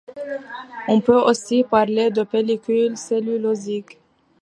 On peut aussi parler de pellicule cellulosique.